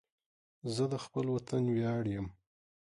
زه د خپل وطن ویاړ یم